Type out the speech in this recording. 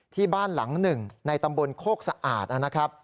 ที่บ้านหลังหนึ่งในตำบลโคกสะอาดนะครับ